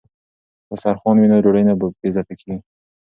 که دسترخوان وي نو ډوډۍ نه بې عزته کیږي.